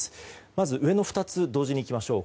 まず上の２つ同時にいきましょう。